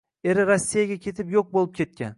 Eri rossiyaga ketib yoʻq boʻlib ketgan